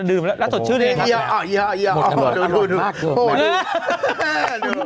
แล้วดื่มแล้วสดชื่นอย่างไรครับอ้าวอีอ๋อดูมากโอ้โฮดิ